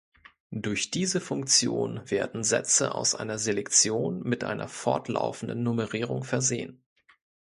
Durch diese Funktion werden Sätze aus einer Selektion mit einer fortlaufenden Nummerierung versehen.